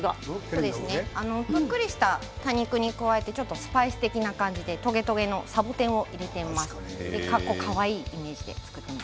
ぷっくりした多肉に加えてスパイス的な感じでトゲトゲのサボテンを入れています。